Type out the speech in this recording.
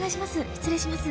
失礼します。